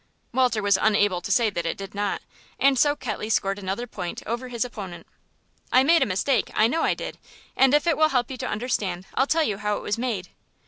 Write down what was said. Walter was unable to say that it did not, and so Ketley scored another point over his opponent. "I made a mistake, I know I did, and if it will help you to understand I'll tell you how it was made.